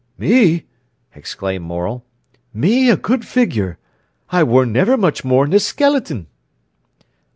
"Me!" exclaimed Morel—"me a good figure! I wor niver much more n'r a skeleton."